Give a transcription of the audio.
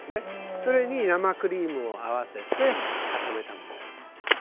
そこに生クリームを合わせて作ったものです。